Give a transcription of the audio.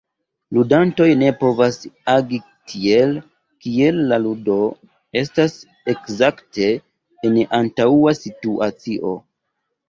Ludantoj ne povas agi tiel, kiel la ludo estas ekzakte en antaŭa situacio.